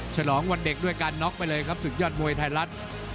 ฉลองวันเด็กด้วยการน็อกไปเลยครับศึกยอดมวยไทยรัฐ